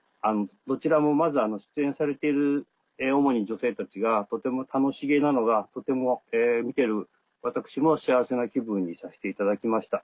どちらもまず出演されている主に女性たちがとても楽しげなのが見てる私も幸せな気分にさせていただきました。